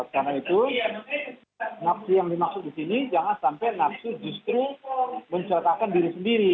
karena itu nafsu yang dimaksud di sini jangan sampai nafsu justru menceletakan diri sendiri